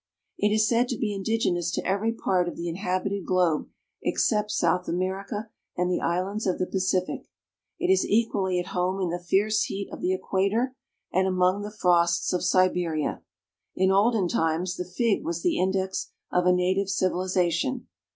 It is said to be indigenous to every part of the inhabited globe except South America and the islands of the Pacific. It is equally at home in the fierce heat of the equator and among the frosts of Siberia. In olden times, the fig was the index of a native civilization.